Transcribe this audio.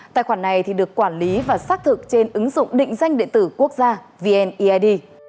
tài khoản này được quản lý và xác thực trên ứng dụng định danh điện tử quốc gia vneid